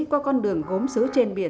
qua con đường gốm xứ trên biển